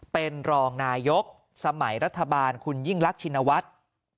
เป็นรองนายกสมัยรัฐบาลคุณยิ่งรักชินวัฒน์